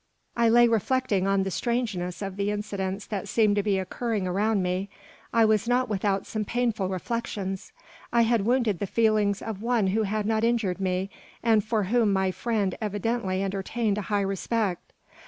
I lay reflecting on the strangeness of the incidents that seemed to be occurring around me. I was not without some painful reflections. I had wounded the feelings of one who had not injured me, and for whom my friend evidently entertained a high respect.